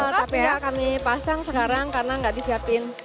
tapi ya kami pasang sekarang karena nggak disiapin